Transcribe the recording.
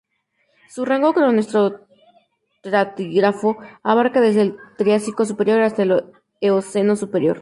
Su rango cronoestratigráfico abarca desde el Triásico superior hasta el Eoceno superior.